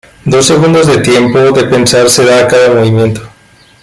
Dos segundos de tiempo de pensar se da a cada movimiento.